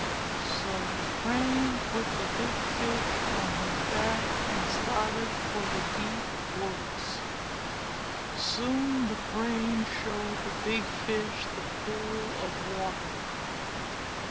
So the Crane put the big Fish on his back and started for the deep woods. Soon the Crane showed the big Fish the pool of water.